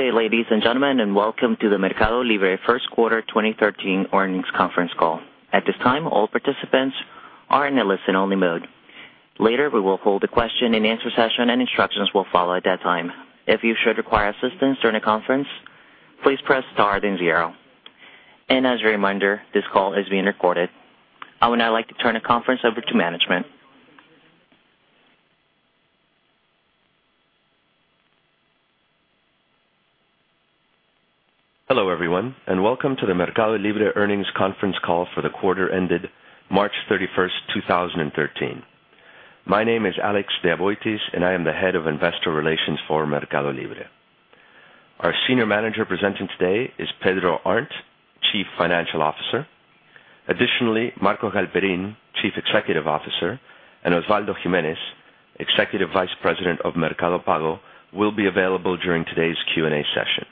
Good day, ladies and gentlemen, and welcome to the MercadoLibre First Quarter 2013 Earnings Conference Call. At this time, all participants are in a listen-only mode. Later, we will hold a question-and-answer session, and instructions will follow at that time. If you should require assistance during the conference, please press star then zero. As a reminder, this call is being recorded. I would now like to turn the conference over to management. Hello, everyone, welcome to the MercadoLibre earnings conference call for the quarter ended March 31st, 2013. My name is Federico Sandler, and I am the Head of Investor Relations for MercadoLibre. Our Senior Manager presenting today is Pedro Arnt, Chief Financial Officer. Additionally, Marcos Galperin, Chief Executive Officer, and Osvaldo Gimenez, Executive Vice President of Mercado Pago, will be available during today's Q&A session.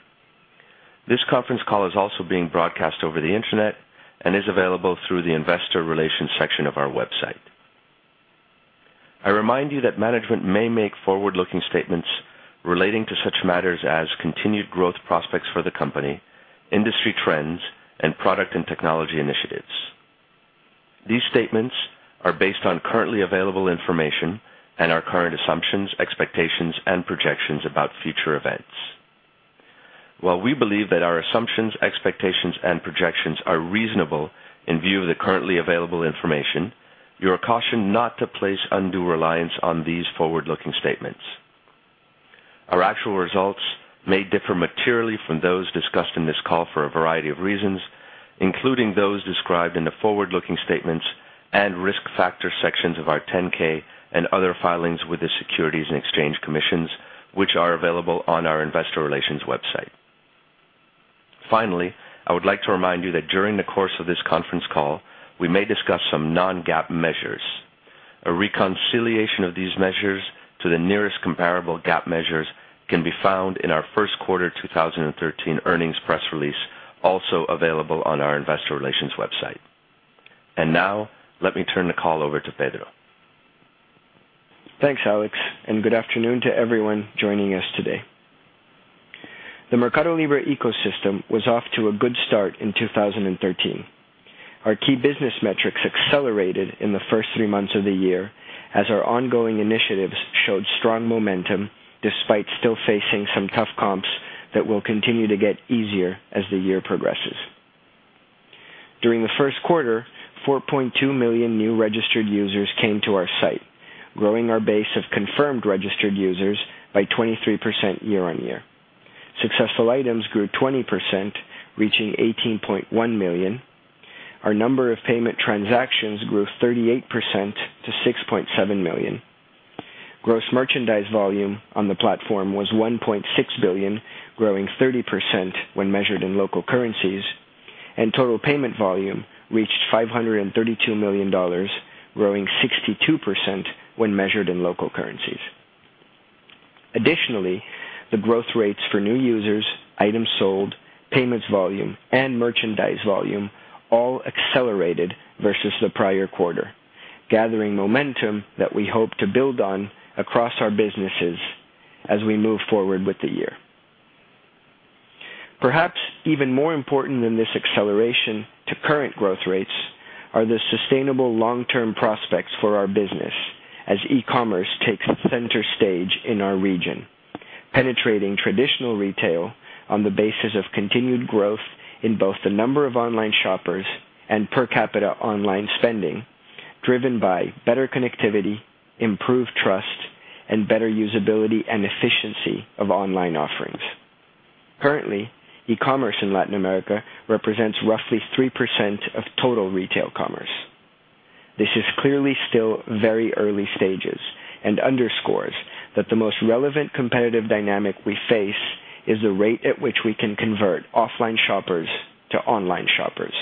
This conference call is also being broadcast over the Internet and is available through the investor relations section of our website. I remind you that management may make forward-looking statements relating to such matters as continued growth prospects for the company, industry trends, and product and technology initiatives. These statements are based on currently available information and our current assumptions, expectations, and projections about future events. While we believe that our assumptions, expectations, and projections are reasonable in view of the currently available information, you are cautioned not to place undue reliance on these forward-looking statements. Our actual results may differ materially from those discussed in this call for a variety of reasons, including those described in the forward-looking statements and risk factor sections of our 10-K and other filings with the Securities and Exchange Commission, which are available on our investor relations website. Finally, I would like to remind you that during the course of this conference call, we may discuss some non-GAAP measures. A reconciliation of these measures to the nearest comparable GAAP measures can be found in our first quarter 2013 earnings press release, also available on our investor relations website. Now, let me turn the call over to Pedro. Thanks, Alex, good afternoon to everyone joining us today. The MercadoLibre ecosystem was off to a good start in 2013. Our key business metrics accelerated in the first three months of the year as our ongoing initiatives showed strong momentum despite still facing some tough comps that will continue to get easier as the year progresses. During the first quarter, 4.2 million new registered users came to our site, growing our base of confirmed registered users by 23% year-on-year. Successful items grew 20%, reaching 18.1 million. Our number of payment transactions grew 38% to 6.7 million. Gross merchandise volume on the platform was 1.6 billion, growing 30% when measured in local currencies, and total payment volume reached $532 million, growing 62% when measured in local currencies. Additionally, the growth rates for new users, items sold, payments volume, and merchandise volume all accelerated versus the prior quarter, gathering momentum that we hope to build on across our businesses as we move forward with the year. Perhaps even more important than this acceleration to current growth rates are the sustainable long-term prospects for our business as e-commerce takes center stage in our region, penetrating traditional retail on the basis of continued growth in both the number of online shoppers and per capita online spending, driven by better connectivity, improved trust, and better usability and efficiency of online offerings. Currently, e-commerce in Latin America represents roughly 3% of total retail commerce. This is clearly still very early stages and underscores that the most relevant competitive dynamic we face is the rate at which we can convert offline shoppers to online shoppers.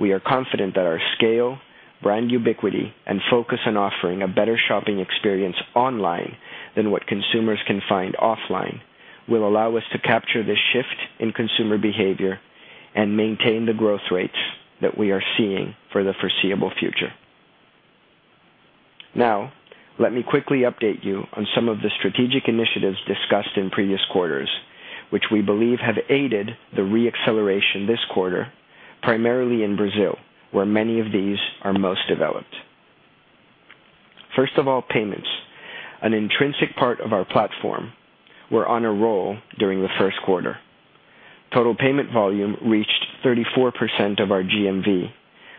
We are confident that our scale, brand ubiquity, and focus on offering a better shopping experience online than what consumers can find offline will allow us to capture the shift in consumer behavior and maintain the growth rates that we are seeing for the foreseeable future. Let me quickly update you on some of the strategic initiatives discussed in previous quarters, which we believe have aided the re-acceleration this quarter, primarily in Brazil, where many of these are most developed. First of all, payments, an intrinsic part of our platform, were on a roll during the first quarter. Total payment volume reached 34% of our GMV,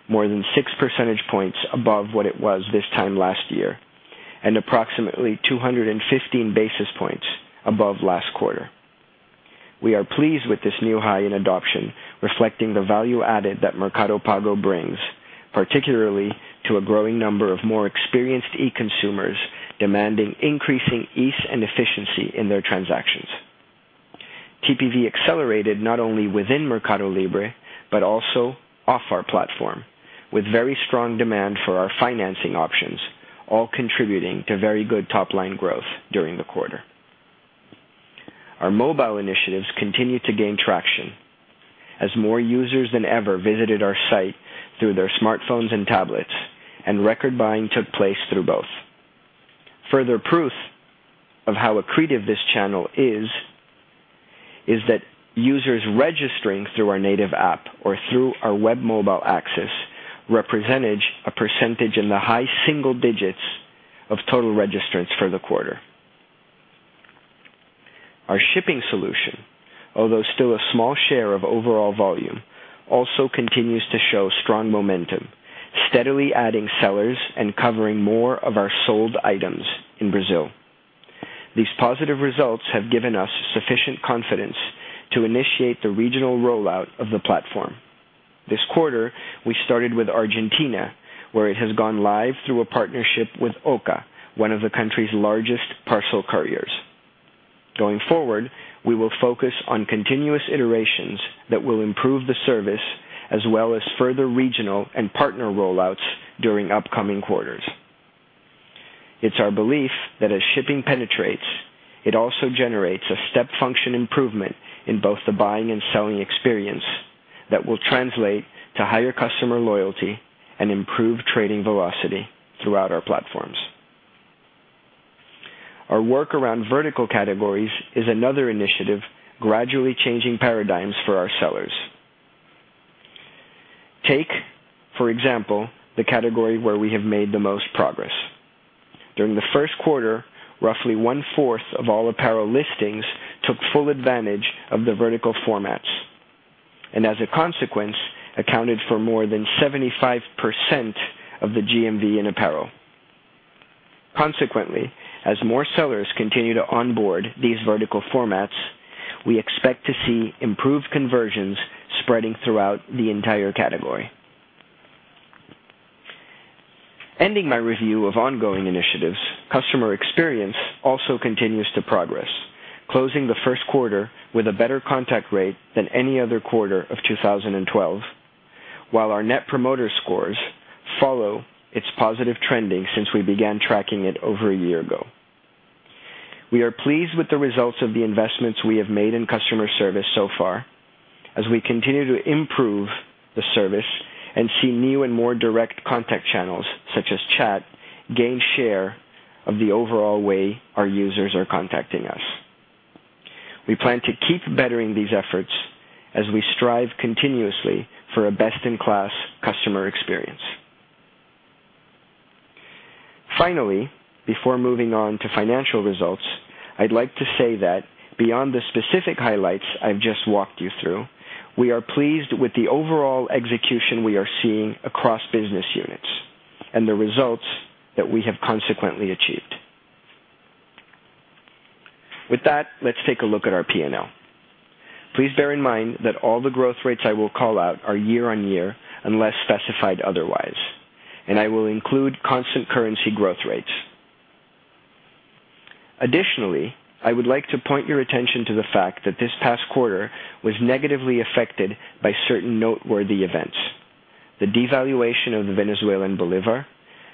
more than six percentage points above what it was this time last year, and approximately 215 basis points above last quarter. We are pleased with this new high in adoption, reflecting the value added that Mercado Pago brings, particularly to a growing number of more experienced e-consumers demanding increasing ease and efficiency in their transactions. TPV accelerated not only within MercadoLibre but also off our platform, with very strong demand for our financing options, all contributing to very good top-line growth during the quarter. Our mobile initiatives continue to gain traction as more users than ever visited our site through their smartphones and tablets, and record buying took place through both. Further proof of how accretive this channel is that users registering through our native app or through our web mobile access represented a percentage in the high single digits of total registrants for the quarter. Our shipping solution, although still a small share of overall volume, also continues to show strong momentum, steadily adding sellers and covering more of our sold items in Brazil. These positive results have given us sufficient confidence to initiate the regional rollout of the platform. This quarter, we started with Argentina, where it has gone live through a partnership with OCA, one of the country's largest parcel couriers. Going forward, we will focus on continuous iterations that will improve the service, as well as further regional and partner rollouts during upcoming quarters. It's our belief that as shipping penetrates, it also generates a step function improvement in both the buying and selling experience that will translate to higher customer loyalty and improved trading velocity throughout our platforms. Our work around vertical categories is another initiative gradually changing paradigms for our sellers. Take, for example, the category where we have made the most progress. During the first quarter, roughly one-fourth of all apparel listings took full advantage of the vertical formats, and as a consequence, accounted for more than 75% of the GMV in apparel. Consequently, as more sellers continue to onboard these vertical formats, we expect to see improved conversions spreading throughout the entire category. Ending my review of ongoing initiatives, customer experience also continues to progress, closing the first quarter with a better contact rate than any other quarter of 2012, while our net promoter scores follow its positive trending since we began tracking it over a year ago. We are pleased with the results of the investments we have made in customer service so far as we continue to improve the service and see new and more direct contact channels, such as chat, gain share of the overall way our users are contacting us. We plan to keep bettering these efforts as we strive continuously for a best-in-class customer experience. Finally, before moving on to financial results, I'd like to say that beyond the specific highlights I've just walked you through, we are pleased with the overall execution we are seeing across business units and the results that we have consequently achieved. With that, let's take a look at our P&L. Please bear in mind that all the growth rates I will call out are year-on-year, unless specified otherwise, and I will include constant currency growth rates. I would like to point your attention to the fact that this past quarter was negatively affected by certain noteworthy events. The devaluation of the Venezuelan bolivar,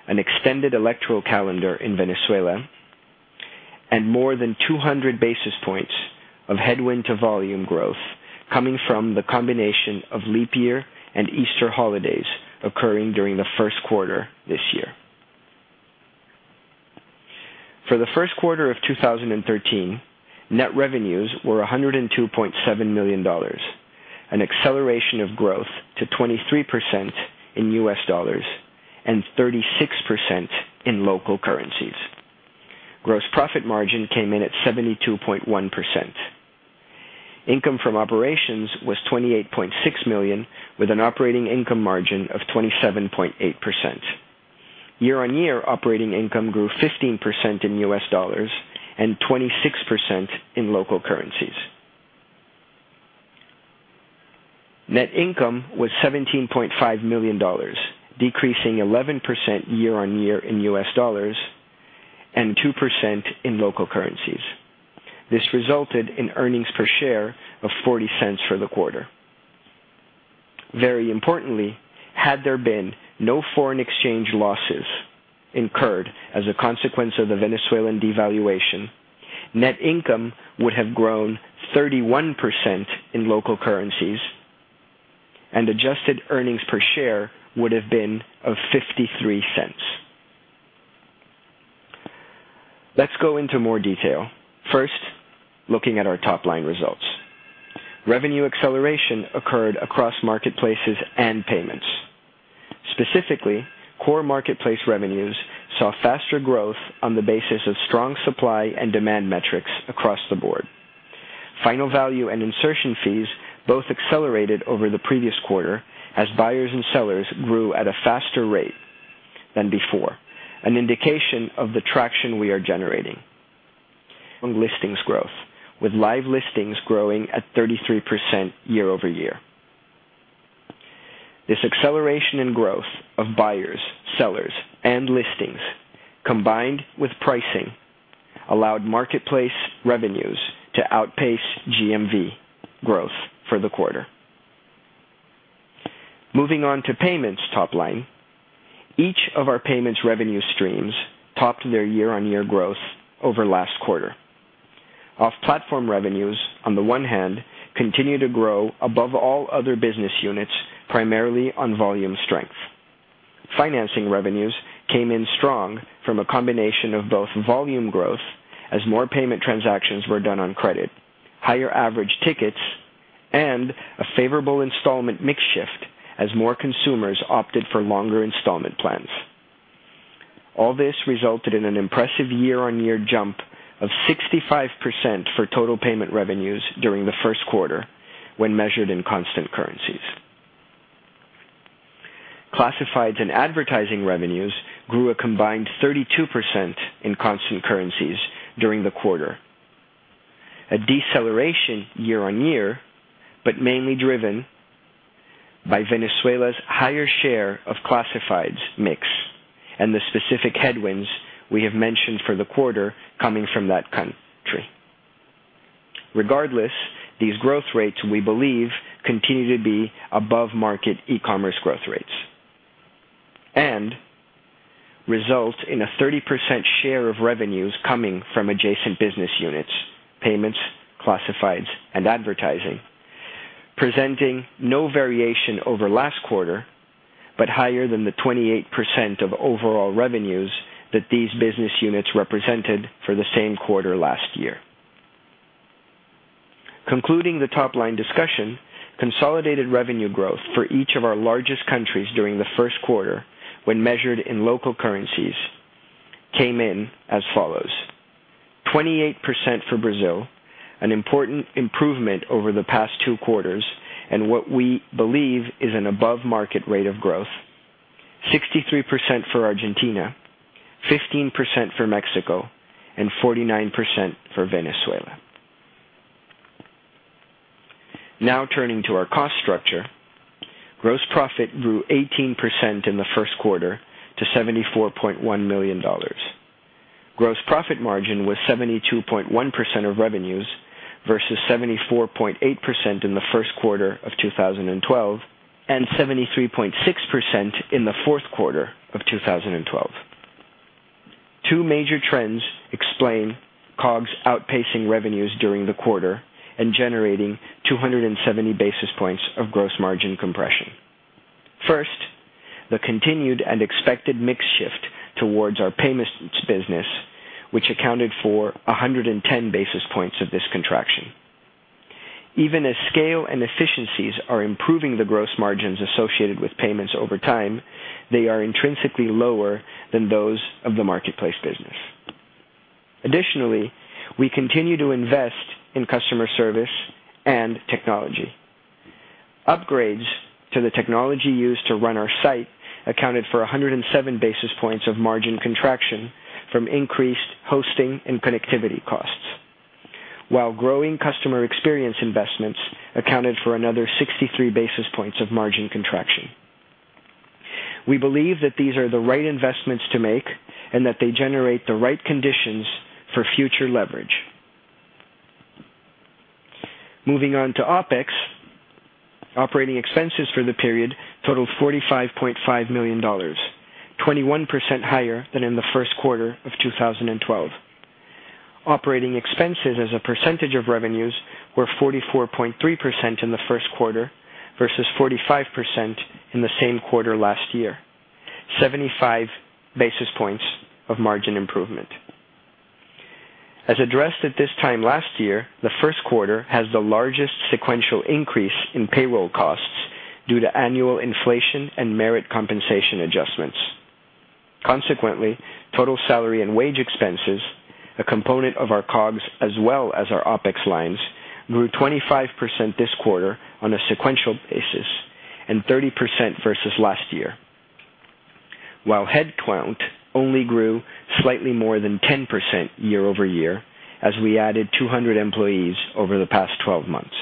an extended electoral calendar in Venezuela, and more than 200 basis points of headwind to volume growth coming from the combination of leap year and Easter holidays occurring during the first quarter this year. For the first quarter of 2013, net revenues were $102.7 million, an acceleration of growth to 23% in US dollars and 36% in local currencies. Gross profit margin came in at 72.1%. Income from operations was $28.6 million, with an operating income margin of 27.8%. Year-on-year operating income grew 15% in US dollars and 26% in local currencies. Net income was $17.5 million, decreasing 11% year-on-year in US dollars and 2% in local currencies. This resulted in earnings per share of $0.40 for the quarter. Very importantly, had there been no foreign exchange losses incurred as a consequence of the Venezuelan devaluation, net income would have grown 31% in local currencies, and adjusted earnings per share would have been of $0.53. Let's go into more detail. First, looking at our top-line results. Revenue acceleration occurred across marketplaces and payments. Specifically, core marketplace revenues saw faster growth on the basis of strong supply and demand metrics across the board. Final value and insertion fees both accelerated over the previous quarter as buyers and sellers grew at a faster rate than before, an indication of the traction we are generating on listings growth, with live listings growing at 33% year-over-year. This acceleration in growth of buyers, sellers, and listings, combined with pricing, allowed marketplace revenues to outpace GMV growth for the quarter. Moving on to payments top line. Each of our payments revenue streams topped their year-over-year growth over last quarter. Off-platform revenues, on the one hand, continue to grow above all other business units, primarily on volume strength. Financing revenues came in strong from a combination of both volume growth as more payment transactions were done on credit, higher average tickets, and a favorable installment mix shift as more consumers opted for longer installment plans. All this resulted in an impressive year-over-year jump of 65% for total payment revenues during the first quarter when measured in constant currencies. Classifieds and advertising revenues grew a combined 32% in constant currencies during the quarter. A deceleration year-over-year, but mainly driven by Venezuela's higher share of classifieds mix and the specific headwinds we have mentioned for the quarter coming from that country. Regardless, these growth rates, we believe, continue to be above market e-commerce growth rates. Result in a 30% share of revenues coming from adjacent business units, payments, classifieds, and advertising, presenting no variation over last quarter, but higher than the 28% of overall revenues that these business units represented for the same quarter last year. Concluding the top-line discussion, consolidated revenue growth for each of our largest countries during the first quarter, when measured in local currencies, came in as follows: 28% for Brazil, an important improvement over the past two quarters and what we believe is an above-market rate of growth. 63% for Argentina, 15% for Mexico, and 49% for Venezuela. Turning to our cost structure. Gross profit grew 18% in the first quarter to $74.1 million. Gross profit margin was 72.1% of revenues versus 74.8% in the first quarter of 2012 and 73.6% in the fourth quarter of 2012. Two major trends explain COGS outpacing revenues during the quarter and generating 270 basis points of gross margin compression. First, the continued and expected mix shift towards our payments business, which accounted for 110 basis points of this contraction. Even as scale and efficiencies are improving the gross margins associated with payments over time, they are intrinsically lower than those of the marketplace business. Additionally, we continue to invest in customer service and technology. Upgrades to the technology used to run our site accounted for 107 basis points of margin contraction from increased hosting and connectivity costs. While growing customer experience investments accounted for another 63 basis points of margin contraction. We believe that these are the right investments to make and that they generate the right conditions for future leverage. Moving on to OpEx. Operating expenses for the period totaled $45.5 million, 21% higher than in the first quarter of 2012. Operating expenses as a percentage of revenues were 44.3% in the first quarter versus 45% in the same quarter last year, 75 basis points of margin improvement. As addressed at this time last year, the first quarter has the largest sequential increase in payroll costs due to annual inflation and merit compensation adjustments. Consequently, total salary and wage expenses, a component of our COGS as well as our OpEx lines, grew 25% this quarter on a sequential basis and 30% versus last year. While headcount only grew slightly more than 10% year-over-year as we added 200 employees over the past 12 months.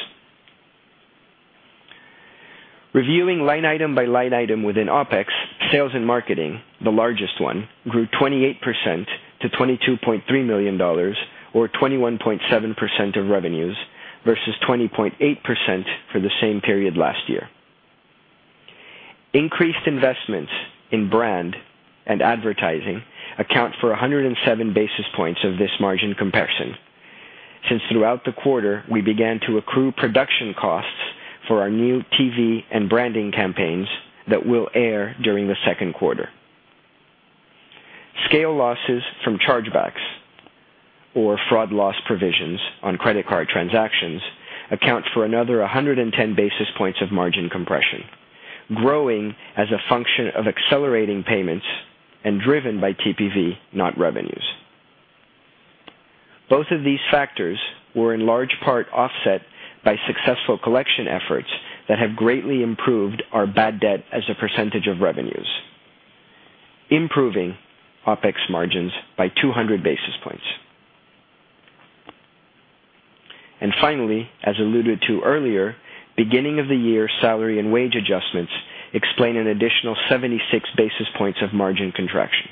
Reviewing line item by line item within OpEx, sales and marketing, the largest one, grew 28% to $22.3 million or 21.7% of revenues versus 20.8% for the same period last year. Increased investments in brand and advertising account for 107 basis points of this margin comparison. Throughout the quarter, we began to accrue production costs for our new TV and branding campaigns that will air during the second quarter. Scale losses from chargebacks or fraud loss provisions on credit card transactions account for another 110 basis points of margin compression, growing as a function of accelerating payments and driven by TPV, not revenues. Both of these factors were in large part offset by successful collection efforts that have greatly improved our bad debt as a percentage of revenues, improving OpEx margins by 200 basis points. Finally, as alluded to earlier, beginning of the year salary and wage adjustments explain an additional 76 basis points of margin contraction.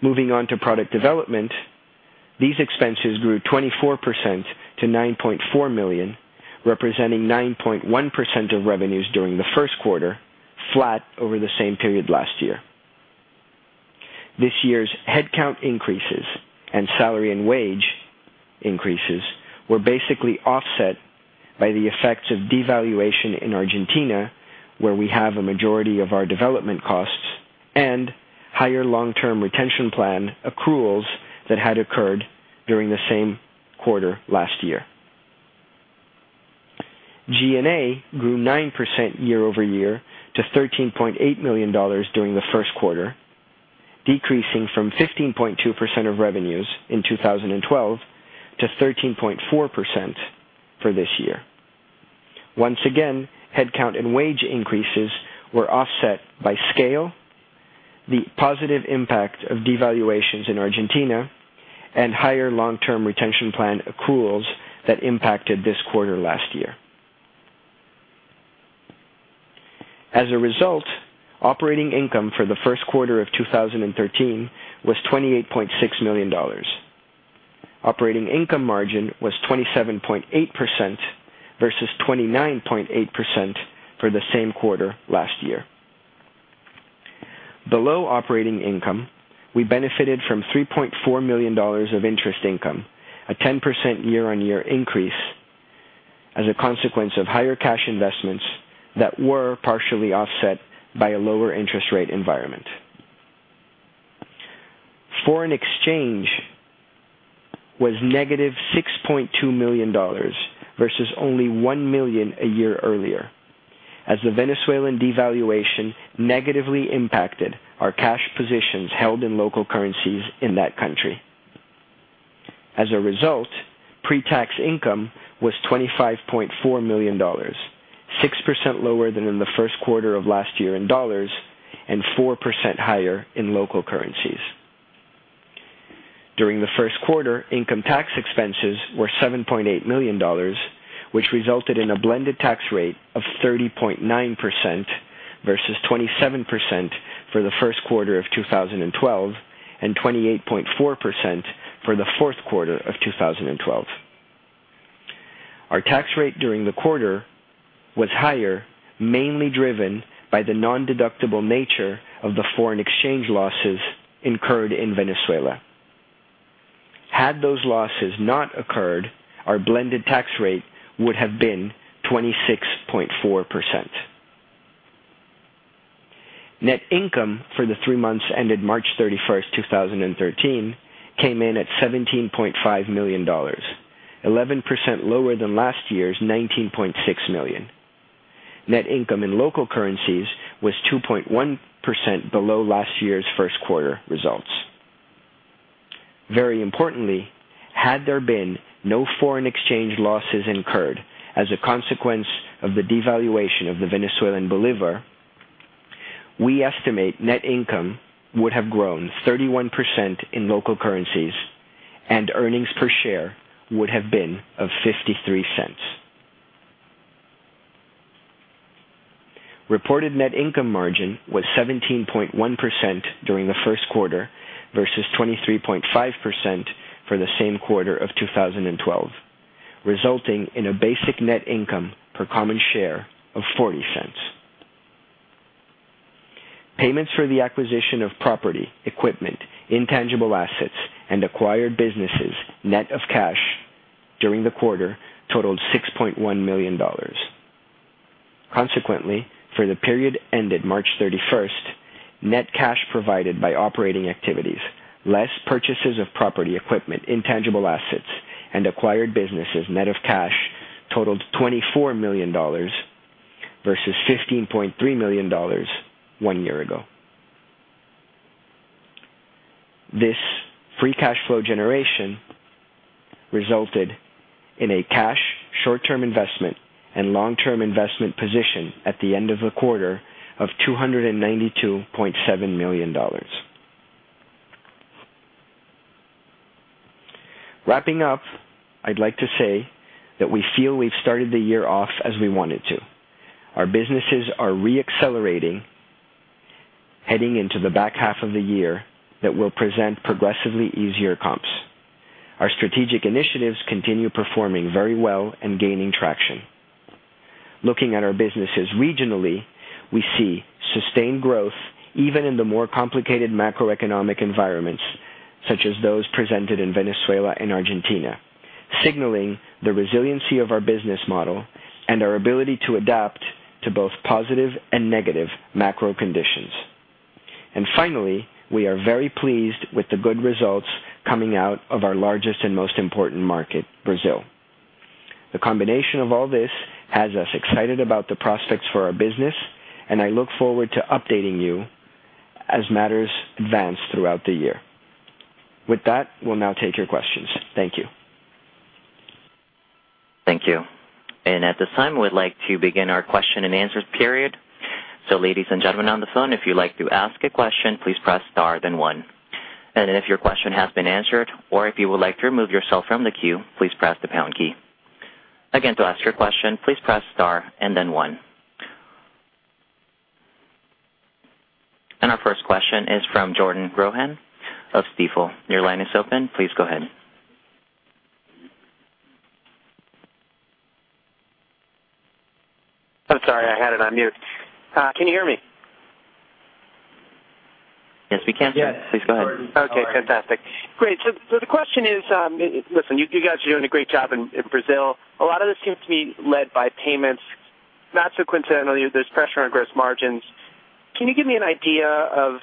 Moving on to product development, these expenses grew 24% to $9.4 million, representing 9.1% of revenues during the first quarter, flat over the same period last year. This year's headcount increases and salary and wage increases were basically offset by the effects of devaluation in Argentina, where we have a majority of our development costs, and higher long-term retention plan accruals that had occurred during the same quarter last year. G&A grew 9% year-over-year to $13.8 million during the first quarter, decreasing from 15.2% of revenues in 2012 to 13.4% for this year. Once again, headcount and wage increases were offset by scale, the positive impact of devaluations in Argentina, and higher long-term retention plan accruals that impacted this quarter last year. As a result, operating income for the first quarter of 2013 was $28.6 million. Operating income margin was 27.8% versus 29.8% for the same quarter last year. Below operating income, we benefited from $3.4 million of interest income, a 10% year-on-year increase as a consequence of higher cash investments that were partially offset by a lower interest rate environment. Foreign exchange was negative $6.2 million versus only $1 million a year earlier, as the Venezuelan devaluation negatively impacted our cash positions held in local currencies in that country. As a result, pre-tax income was $25.4 million, 6% lower than in the first quarter of last year in U.S. dollars and 4% higher in local currencies. During the first quarter, income tax expenses were $7.8 million, which resulted in a blended tax rate of 30.9% versus 27% for the first quarter of 2012, and 28.4% for the fourth quarter of 2012. Our tax rate during the quarter was higher, mainly driven by the non-deductible nature of the foreign exchange losses incurred in Venezuela. Had those losses not occurred, our blended tax rate would have been 26.4%. Net income for the three months ended March 31st, 2013, came in at $17.5 million, 11% lower than last year's $19.6 million. Net income in local currencies was 2.1% below last year's first quarter results. Very importantly, had there been no foreign exchange losses incurred as a consequence of the devaluation of the Venezuelan bolivar, we estimate net income would have grown 31% in local currencies, and earnings per share would have been of $0.53. Reported net income margin was 17.1% during the first quarter versus 23.5% for the same quarter of 2012, resulting in a basic net income per common share of $0.40. Payments for the acquisition of property, equipment, intangible assets, and acquired businesses, net of cash during the quarter totaled $6.1 million. For the period ended March 31st, net cash provided by operating activities, less purchases of property, equipment, intangible assets, and acquired businesses net of cash totaled $24 million versus $15.3 million one year ago. This free cash flow generation resulted in a cash short-term investment and long-term investment position at the end of the quarter of $292.7 million. Wrapping up, I'd like to say that we feel we've started the year off as we wanted to. Our businesses are re-accelerating, heading into the back half of the year that will present progressively easier comps. Our strategic initiatives continue performing very well and gaining traction. Looking at our businesses regionally, we see sustained growth even in the more complicated macroeconomic environments, such as those presented in Venezuela and Argentina, signaling the resiliency of our business model and our ability to adapt to both positive and negative macro conditions. Finally, we are very pleased with the good results coming out of our largest and most important market, Brazil. The combination of all this has us excited about the prospects for our business, and I look forward to updating you as matters advance throughout the year. With that, we'll now take your questions. Thank you. Thank you. At this time, we'd like to begin our question and answers period. Ladies and gentlemen on the phone, if you'd like to ask a question, please press star then one. If your question has been answered or if you would like to remove yourself from the queue, please press the pound key. Again, to ask your question, please press star and then one. Our first question is from Jordan Rohan of Stifel. Your line is open. Please go ahead. I'm sorry. I had it on mute. Can you hear me? Yes, we can. Yes. Please go ahead. Okay, fantastic. Great. The question is, listen, you guys are doing a great job in Brazil. A lot of this seems to be led by payments. Not coincidentally, there's pressure on gross margins. Can you give me an idea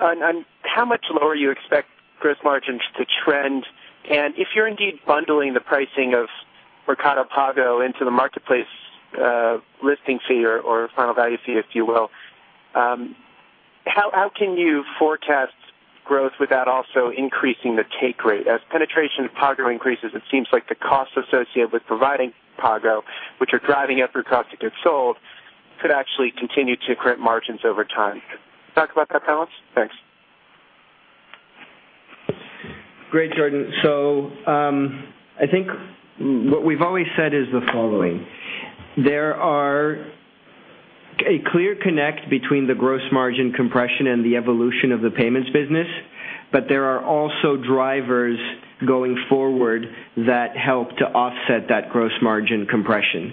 on how much lower you expect gross margins to trend? And if you're indeed bundling the pricing of Mercado Pago into the marketplace listing fee or final value fee, if you will, how can you forecast growth without also increasing the take rate? As penetration of Pago increases, it seems like the cost associated with providing Pago, which are driving up your cost of goods sold, could actually continue to crimp margins over time. Can you talk about that balance? Thanks. Great, Jordan. I think what we've always said is the following, there are a clear connect between the gross margin compression and the evolution of the payments business, but there are also drivers going forward that help to offset that gross margin compression.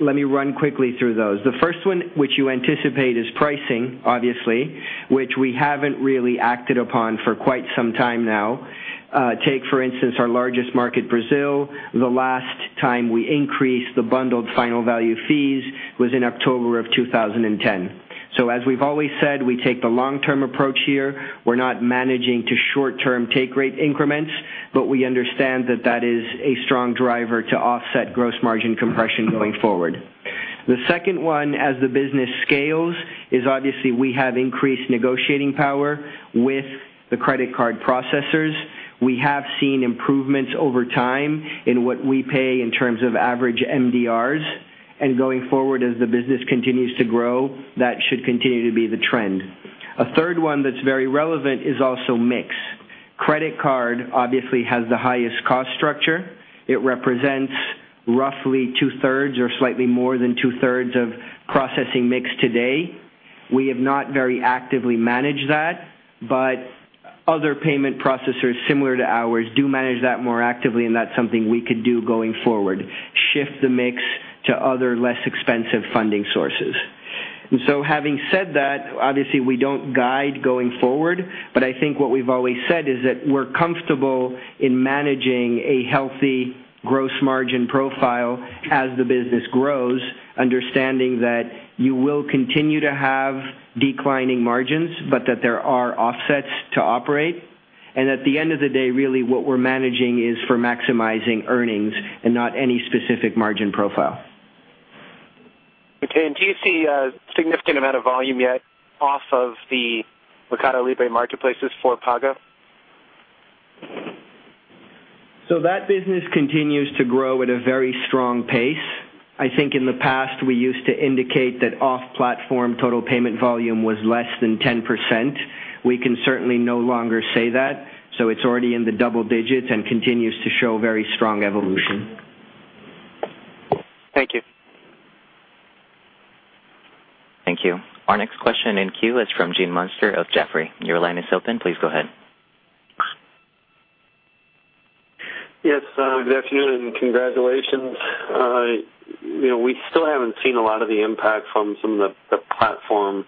Let me run quickly through those. The first one, which you anticipate, is pricing, obviously, which we haven't really acted upon for quite some time now. Take, for instance, our largest market, Brazil. The last time we increased the bundled final value fees was in October of 2010. As we've always said, we take the long-term approach here. We're not managing to short-term take rate increments, but we understand that that is a strong driver to offset gross margin compression going forward. The second one, as the business scales, is obviously we have increased negotiating power with the credit card processors. We have seen improvements over time in what we pay in terms of average MDRs. Going forward, as the business continues to grow, that should continue to be the trend. A third one that's very relevant is also mix. Credit card obviously has the highest cost structure. It represents roughly two-thirds or slightly more than two-thirds of processing mix today. We have not very actively managed that, but other payment processors similar to ours do manage that more actively, and that's something we could do going forward, shift the mix to other, less expensive funding sources. Having said that, obviously we don't guide going forward, but I think what we've always said is that we're comfortable in managing a healthy gross margin profile as the business grows, understanding that you will continue to have declining margins, but that there are offsets to operate. At the end of the day, really what we're managing is for maximizing earnings and not any specific margin profile. Okay. Do you see a significant amount of volume yet off of the MercadoLibre marketplaces for Pago? That business continues to grow at a very strong pace. I think in the past, we used to indicate that off-platform total payment volume was less than 10%. We can certainly no longer say that. It's already in the double digits and continues to show very strong evolution. Thank you. Thank you. Our next question in queue is from Gene Munster of Jefferies. Your line is open. Please go ahead. Yes, good afternoon and congratulations. We still haven't seen a lot of the impact from some of the platform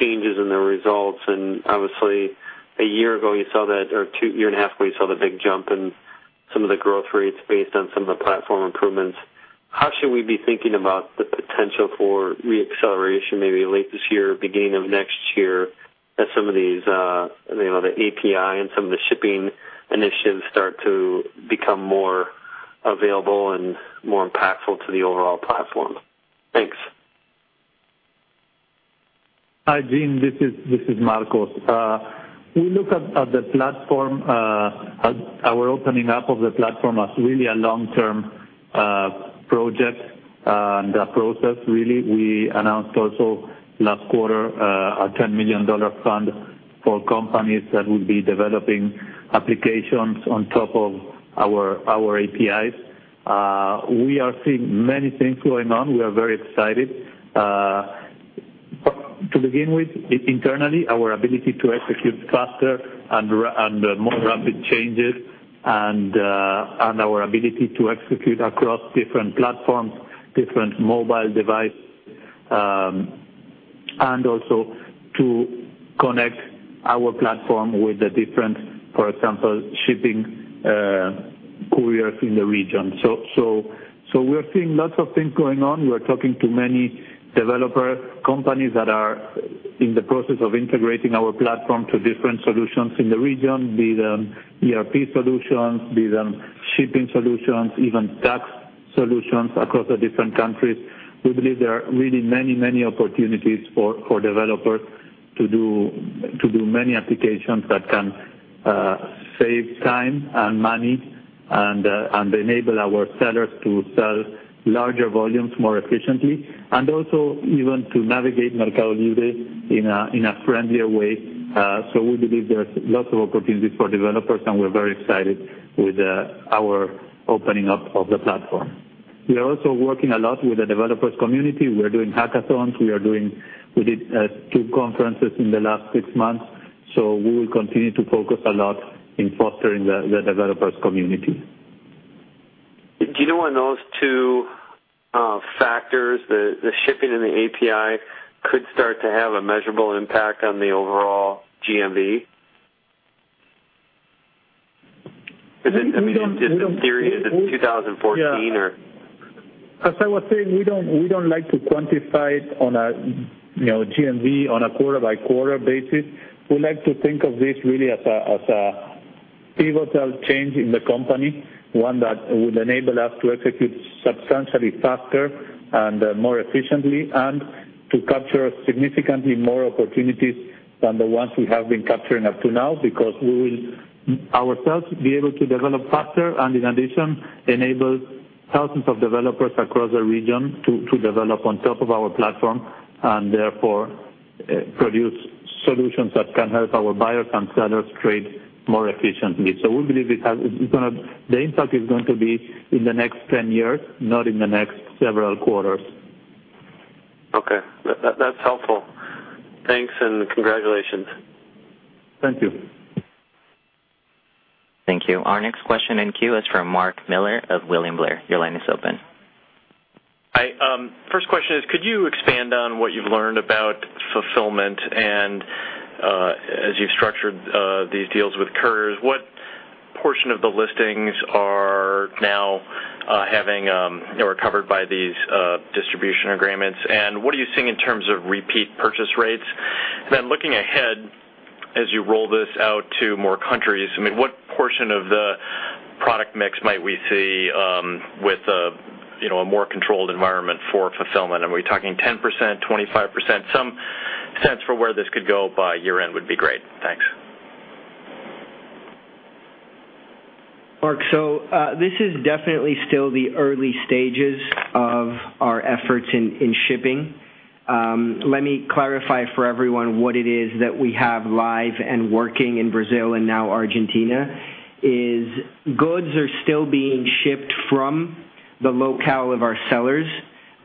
changes in the results, and obviously a year ago you saw that, or a year and a half ago, you saw the big jump in some of the growth rates based on some of the platform improvements. How should we be thinking about the potential for re-acceleration maybe late this year or beginning of next year as some of these, the API and some of the shipping initiatives start to become more available and more impactful to the overall platform? Thanks. Hi, Gene. This is Marcos. We look at our opening up of the platform as really a long-term project and a process, really. We announced also last quarter a $10 million fund for companies that will be developing applications on top of our APIs. We are seeing many things going on. We are very excited. To begin with, internally, our ability to execute faster and more rapid changes, and our ability to execute across different platforms, different mobile device, and also to connect our platform with the different, for example, shipping couriers in the region. We're seeing lots of things going on. We're talking to many developer companies that are in the process of integrating our platform to different solutions in the region, be them ERP solutions, be them shipping solutions, even tax solutions across the different countries. We believe there are really many opportunities for developers to do many applications that can save time and money and enable our sellers to sell larger volumes more efficiently, and also even to navigate MercadoLibre in a friendlier way. We believe there's lots of opportunities for developers, and we're very excited with our opening up of the platform. We are also working a lot with the developers community. We are doing hackathons. We did two conferences in the last six months, we will continue to focus a lot in fostering the developers community. Do you know when those two factors, the shipping and the API, could start to have a measurable impact on the overall GMV? I mean, just in theory, is it 2014 or? As I was saying, we don't like to quantify it on a GMV on a quarter by quarter basis. We like to think of this really as a pivotal change in the company, one that would enable us to execute substantially faster and more efficiently, and to capture significantly more opportunities than the ones we have been capturing up to now, because we will ourselves be able to develop faster and in addition, enable thousands of developers across the region to develop on top of our platform, and therefore produce solutions that can help our buyers and sellers trade more efficiently. We believe the impact is going to be in the next 10 years, not in the next several quarters. Okay. That's helpful. Thanks, and congratulations. Thank you. Thank you. Our next question in queue is from Mark Miller of William Blair. Your line is open. Hi. First question is, could you expand on what you've learned about fulfillment and, as you've structured these deals with [Kerr], what portion of the listings are now covered by these distribution agreements, and what are you seeing in terms of repeat purchase rates? Looking ahead, as you roll this out to more countries, what portion of the product mix might we see with a more controlled environment for fulfillment? Are we talking 10%, 25%? Some sense for where this could go by year-end would be great. Thanks. Mark, this is definitely still the early stages of our efforts in shipping. Let me clarify for everyone what it is that we have live and working in Brazil and now Argentina is goods are still being shipped from the locale of our sellers.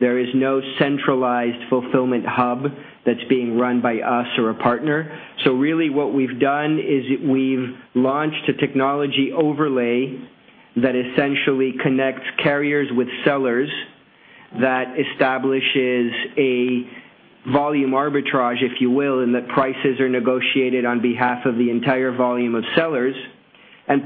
There is no centralized fulfillment hub that's being run by us or a partner. Really what we've done is we've launched a technology overlay that essentially connects carriers with sellers, that establishes a volume arbitrage, if you will, and that prices are negotiated on behalf of the entire volume of sellers.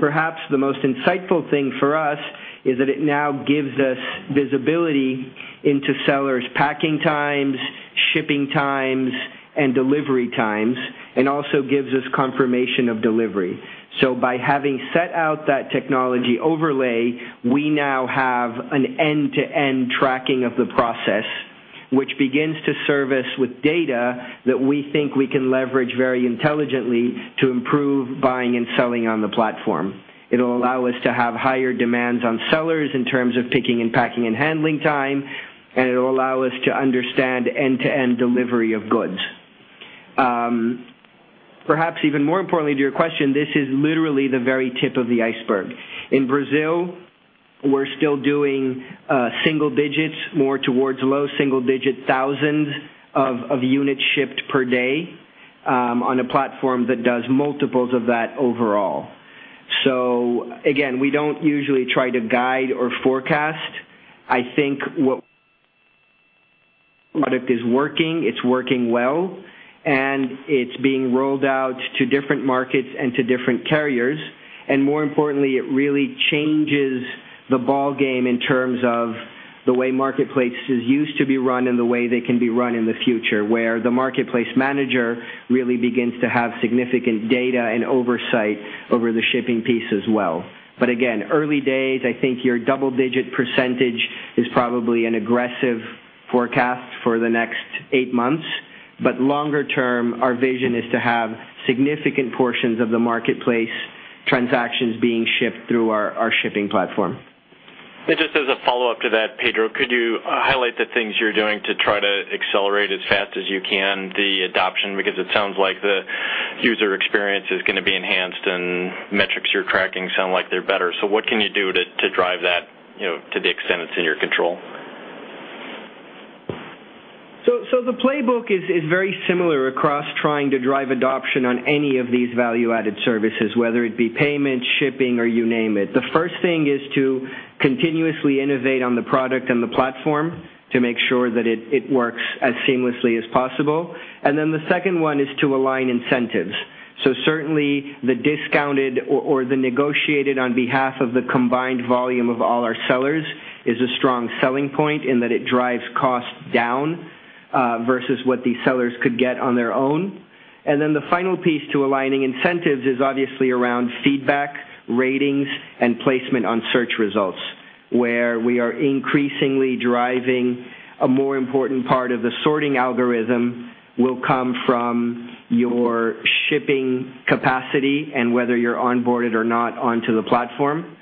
Perhaps the most insightful thing for us is that it now gives us visibility into sellers' packing times, shipping times, and delivery times, and also gives us confirmation of delivery. By having set out that technology overlay, we now have an end-to-end tracking of the process, which begins to service with data that we think we can leverage very intelligently to improve buying and selling on the platform. It'll allow us to have higher demands on sellers in terms of picking and packing and handling time, and it'll allow us to understand end-to-end delivery of goods. Perhaps even more importantly to your question, this is literally the very tip of the iceberg. In Brazil, we're still doing single digits, more towards low single-digit thousands of units shipped per day, on a platform that does multiples of that overall. Again, we don't usually try to guide or forecast. I think what product is working, it's working well, and it's being rolled out to different markets and to different carriers. More importantly, it really changes the ballgame in terms of the way marketplaces used to be run and the way they can be run in the future, where the marketplace manager really begins to have significant data and oversight over the shipping piece as well. Again, early days, I think your double-digit % is probably an aggressive forecast for the next eight months. Longer term, our vision is to have significant portions of the marketplace transactions being shipped through our shipping platform. Just as a follow-up to that, Pedro, could you highlight the things you're doing to try to accelerate as fast as you can the adoption? Because it sounds like the user experience is going to be enhanced and metrics you're tracking sound like they're better. What can you do to drive that to the extent it's in your control? The playbook is very similar across trying to drive adoption on any of these value-added services, whether it be payment, shipping, or you name it. The first thing is to continuously innovate on the product and the platform to make sure that it works as seamlessly as possible. The second one is to align incentives. Certainly the discounted or the negotiated on behalf of the combined volume of all our sellers is a strong selling point in that it drives cost down, versus what these sellers could get on their own. The final piece to aligning incentives is obviously around feedback, ratings, and placement on search results, where we are increasingly driving a more important part of the sorting algorithm will come from your shipping capacity and whether you're onboarded or not onto the platform.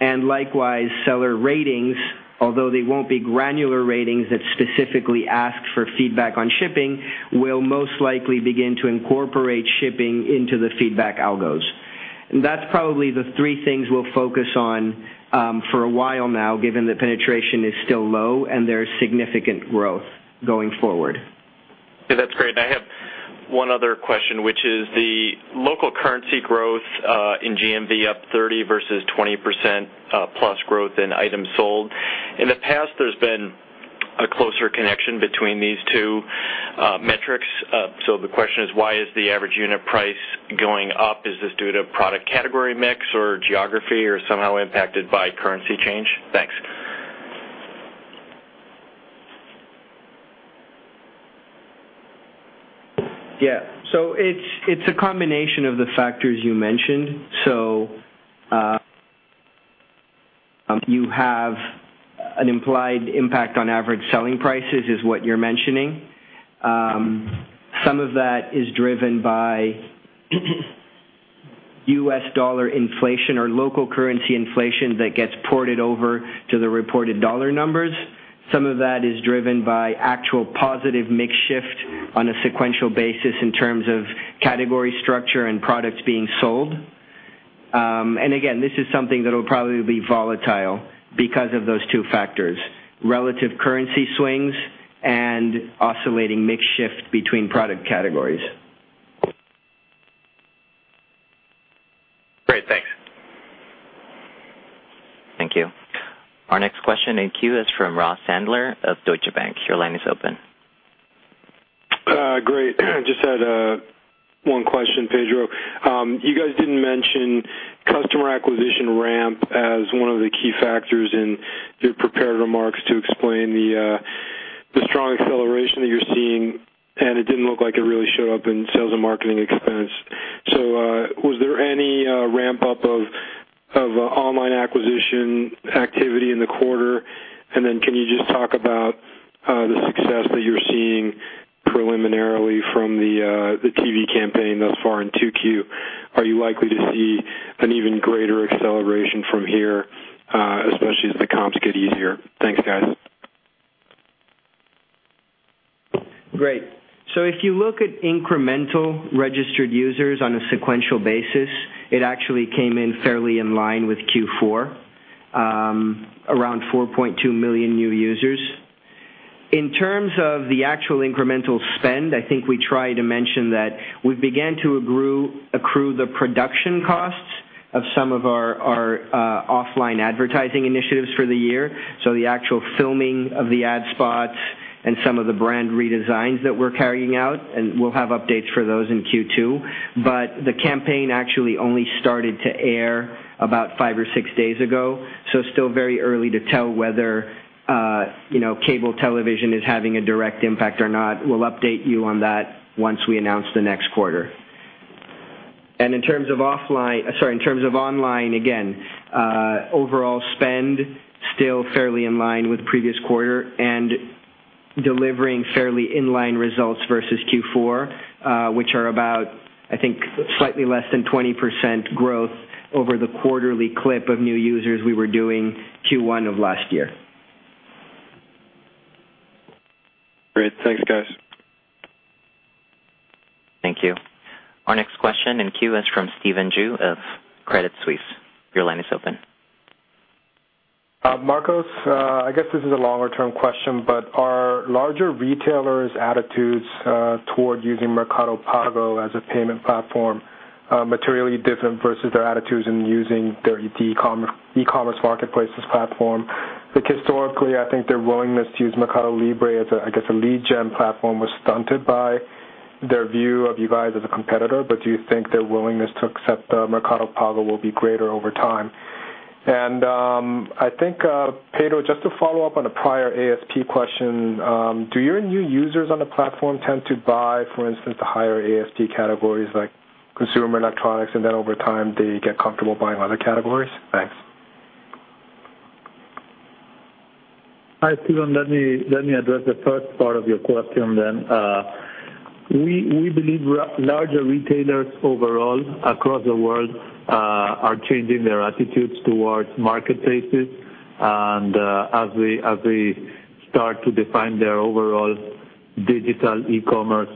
Likewise, seller ratings, although they won't be granular ratings that specifically ask for feedback on shipping, will most likely begin to incorporate shipping into the feedback algos. That's probably the three things we'll focus on for a while now, given that penetration is still low and there is significant growth going forward. That's great. I have one other question, which is the local currency growth in GMV up 30% versus 20% plus growth in items sold. In the past, there's been a closer connection between these two metrics. The question is, why is the average unit price going up? Is this due to product category mix or geography, or somehow impacted by currency change? Thanks. It's a combination of the factors you mentioned. You have an implied impact on Average Selling Prices is what you're mentioning. Some of that is driven by U.S. dollar inflation or local currency inflation that gets ported over to the reported dollar numbers. Some of that is driven by actual positive mix shift on a sequential basis in terms of category structure and products being sold. Again, this is something that'll probably be volatile because of those two factors, relative currency swings and oscillating mix shift between product categories. Great, thanks. Thank you. Our next question in queue is from Ross Sandler of Deutsche Bank. Your line is open. Great. Just had one question, Pedro. You guys didn't mention customer acquisition ramp as one of the key factors in your prepared remarks to explain the strong acceleration that you're seeing, and it didn't look like it really showed up in sales and marketing expense. Was there any ramp-up of online acquisition activity in the quarter? Then can you just talk about the success that you're seeing preliminarily from the TV campaign thus far in 2Q? Are you likely to see an even greater acceleration from here, especially as the comps get easier? Thanks, guys. Great. If you look at incremental registered users on a sequential basis, it actually came in fairly in line with Q4, around 4.2 million new users. In terms of the actual incremental spend, I think we try to mention that we've began to accrue the production costs of some of our offline advertising initiatives for the year. The actual filming of the ad spots and some of the brand redesigns that we're carrying out, and we'll have updates for those in Q2. The campaign actually only started to air about five or six days ago, so still very early to tell whether cable television is having a direct impact or not. We'll update you on that once we announce the next quarter. In terms of online, again, overall spend still fairly in line with the previous quarter and delivering fairly in-line results versus Q4, which are about, I think, slightly less than 20% growth over the quarterly clip of new users we were doing Q1 of last year. Great. Thanks, guys. Thank you. Our next question in queue is from Stephen Ju of Credit Suisse. Your line is open. Marcos, I guess this is a longer-term question. Are larger retailers' attitudes toward using Mercado Pago as a payment platform materially different versus their attitudes in using their e-commerce marketplaces platform? Like historically, I think their willingness to use MercadoLibre as, I guess, a lead gen platform was stunted by their view of you guys as a competitor. Do you think their willingness to accept Mercado Pago will be greater over time? I think, Pedro, just to follow up on a prior ASP question, do your new users on the platform tend to buy, for instance, the higher ASP categories like consumer electronics, and then over time, they get comfortable buying other categories? Thanks. Hi, Stephen. Let me address the first part of your question then. We believe larger retailers overall across the world are changing their attitudes towards marketplaces as they start to define their overall digital e-commerce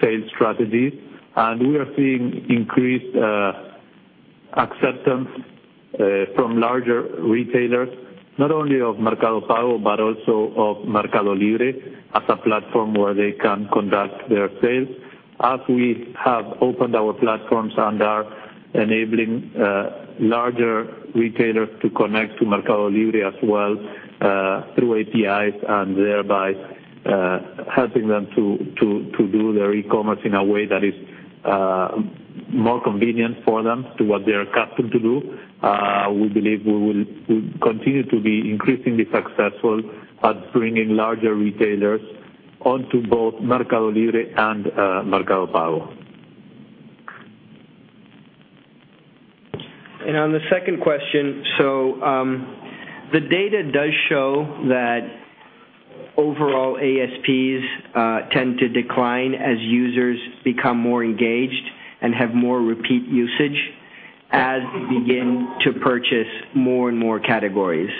sales strategies. We are seeing increased acceptance from larger retailers, not only of Mercado Pago, but also of MercadoLibre as a platform where they can conduct their sales. As we have opened our platforms and are enabling larger retailers to connect to MercadoLibre as well through APIs, thereby helping them to do their e-commerce in a way that is more convenient for them to what they are accustomed to do. We believe we will continue to be increasingly successful at bringing larger retailers onto both MercadoLibre and Mercado Pago. On the second question, the data does show that overall ASPs tend to decline as users become more engaged and have more repeat usage. We begin to purchase more and more categories.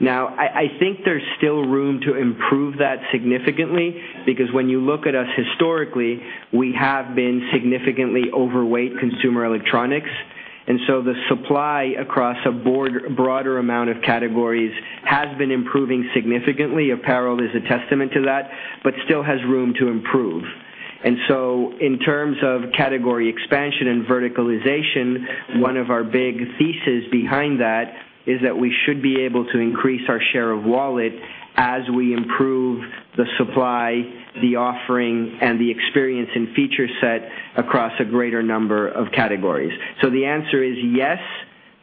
I think there's still room to improve that significantly because when you look at us historically, we have been significantly overweight consumer electronics. The supply across a broader amount of categories has been improving significantly. Apparel is a testament to that, but still has room to improve. In terms of category expansion and verticalization, one of our big theses behind that is that we should be able to increase our share of wallet as we improve the supply, the offering, and the experience and feature set across a greater number of categories. The answer is, yes,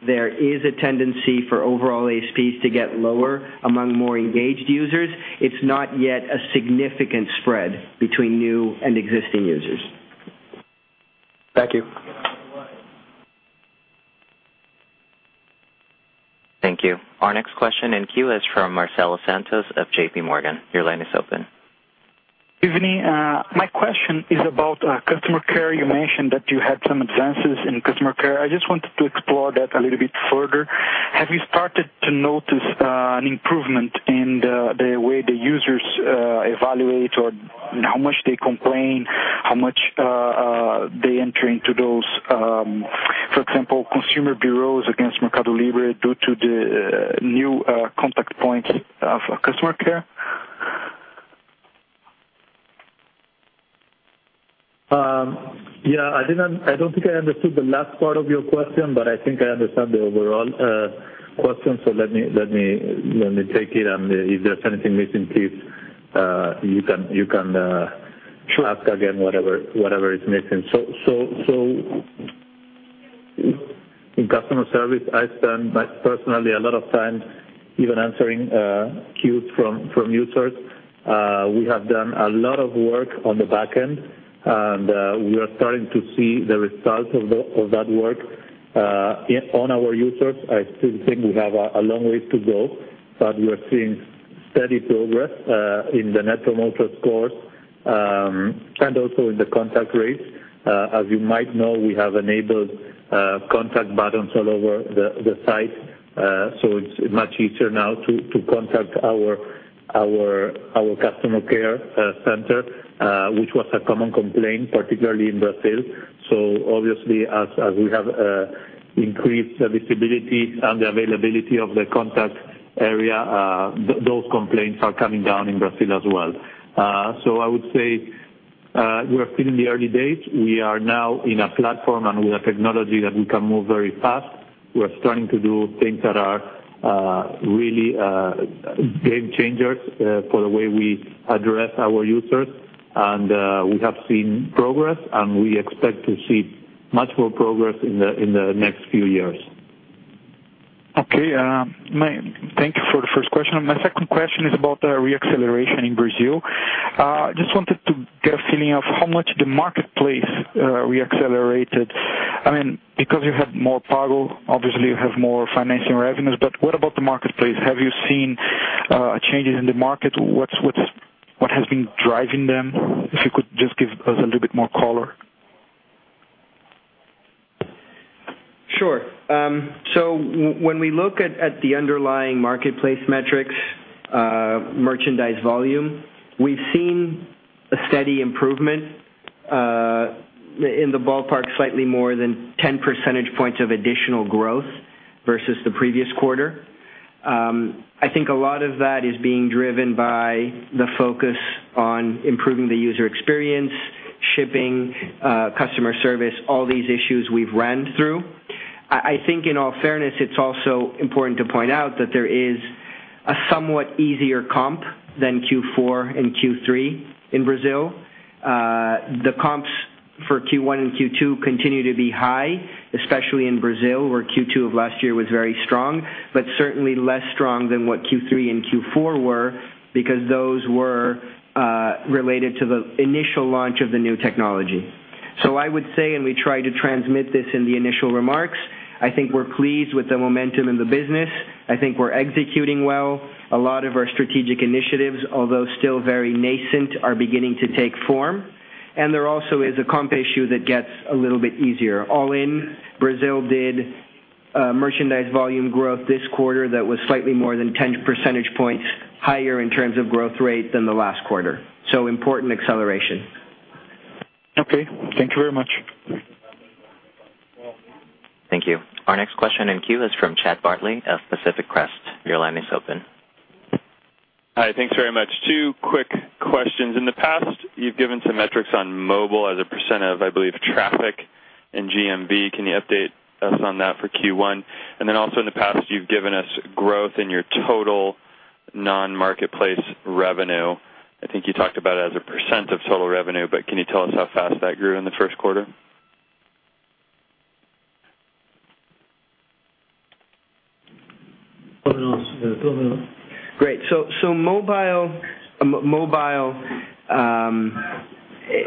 there is a tendency for overall ASPs to get lower among more engaged users. It's not yet a significant spread between new and existing users. Thank you. Thank you. Our next question in queue is from Marcelo Santos of JPMorgan. Your line is open. Evening. My question is about customer care. You mentioned that you had some advances in customer care. I just wanted to explore that a little bit further. Have you started to notice an improvement in the way the users evaluate or how much they complain, how much they enter into those, for example, consumer bureaus against MercadoLibre due to the new contact point of customer care? Yeah. I don't think I understood the last part of your question, but I think I understand the overall question, so let me take it and if there's anything missing, please you can. Sure ask again whatever is missing. In customer service, I spend, personally, a lot of time even answering queues from users. We have done a lot of work on the back end, we are starting to see the results of that work on our users. I still think we have a long way to go, but we are seeing steady progress in the net promoter scores, and also in the contact rates. As you might know, we have enabled contact buttons all over the site. It's much easier now to contact our customer care center, which was a common complaint, particularly in Brazil. Obviously as we have increased visibility and the availability of the contact area, those complaints are coming down in Brazil as well. I would say we are still in the early days. We are now in a platform and with a technology that we can move very fast. We are starting to do things that are really game changers for the way we address our users. We have seen progress, and we expect to see much more progress in the next few years. Okay. Thank you for the first question. My second question is about re-acceleration in Brazil. Just wanted to get a feeling of how much the marketplace re-accelerated. You have more Pago, obviously you have more financial revenues, but what about the marketplace? Have you seen changes in the market? What has been driving them? If you could just give us a little bit more color. Sure. When we look at the underlying marketplace metrics, merchandise volume, we've seen a steady improvement, in the ballpark slightly more than 10 percentage points of additional growth versus the previous quarter. I think a lot of that is being driven by the focus on improving the user experience, shipping, customer service, all these issues we've ran through. I think in all fairness, it's also important to point out that there is a somewhat easier comp than Q4 and Q3 in Brazil. The comps for Q1 and Q2 continue to be high, especially in Brazil, where Q2 of last year was very strong, but certainly less strong than what Q3 and Q4 were because those were related to the initial launch of the new technology. I would say, and we tried to transmit this in the initial remarks, I think we're pleased with the momentum in the business. I think we're executing well. A lot of our strategic initiatives, although still very nascent, are beginning to take form. There also is a comp issue that gets a little bit easier. All in, Brazil did merchandise volume growth this quarter that was slightly more than 10 percentage points higher in terms of growth rate than the last quarter. Important acceleration. Okay. Thank you very much. Thank you. Our next question in queue is from Chad Bartley of Pacific Crest. Your line is open. Hi. Thanks very much. Two quick questions. In the past, you've given some metrics on mobile as a % of, I believe, traffic and GMV. Can you update us on that for Q1? Then also in the past, you've given us growth in your total non-marketplace revenue. I think you talked about it as a % of total revenue, but can you tell us how fast that grew in the first quarter? Great. Mobile